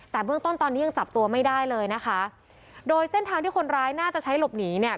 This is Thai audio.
แต่เบื้องต้นตอนนี้ยังจับตัวไม่ได้เลยนะคะโดยเส้นทางที่คนร้ายน่าจะใช้หลบหนีเนี่ย